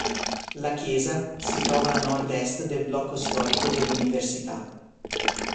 La chiesa si trova a nord est del blocco storico dell'Università.